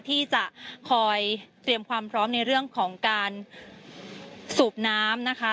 ที่จะคอยเตรียมความพร้อมในเรื่องของการสูบน้ำนะคะ